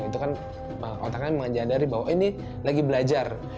itu kan otaknya menyadari bahwa ini lagi belajar